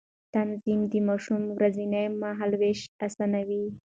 تنظيم د ماشوم ورځنی مهالوېش آسانوي.